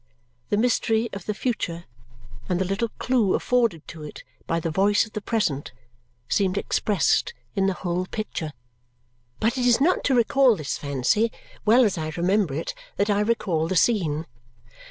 The mystery of the future and the little clue afforded to it by the voice of the present seemed expressed in the whole picture. But it is not to recall this fancy, well as I remember it, that I recall the scene.